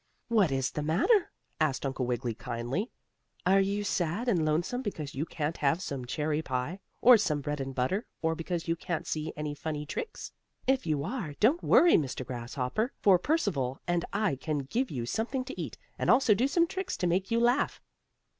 "What is the matter?" asked Uncle Wiggily, kindly. "Are you sad and lonesome because you can't have some cherry pie, or some bread and butter; or because you can't see any funny tricks? If you are, don't worry, Mr. Grasshopper, for Percival and I can give you something to eat, and also do some tricks to make you laugh."